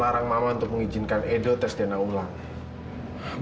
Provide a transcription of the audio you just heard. sekarang mama untuk mengizinkan edo tes dana ulang